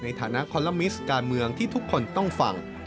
ในฐานะคอลลัมมิสต์การเมืองที่ทุกคนต้องฟัง